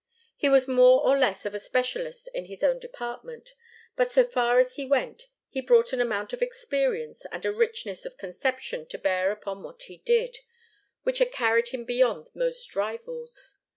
He was more or less of a specialist in his own department, but so far as he went, he brought an amount of experience and a richness of conception to bear upon what he did, which had carried him beyond most rivals.